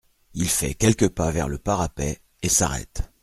Il fait quelques pas vers le parapet et s’arrête.